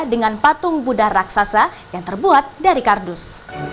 dengan patung buddha raksasa yang terbuat dari kardus